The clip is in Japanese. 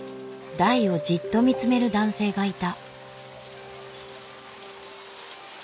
台をじっと見つめる男性がいた。